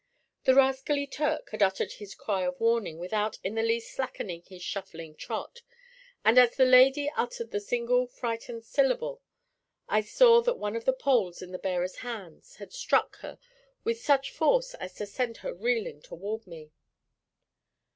The rascally Turk had uttered his cry of warning without in the least slackening his shuffling trot, and as the lady uttered the single frightened syllable, I saw that one of the poles in the bearer's hands had struck her with such force as to send her reeling toward me.